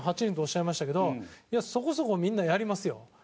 ８人とおっしゃいましたけどそこそこみんなやりますよ。